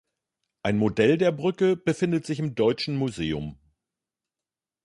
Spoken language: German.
Ein Modell der Brücke befindet sich im Deutschen Museum.